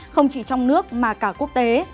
không chỉ trong nước mà cả quốc tế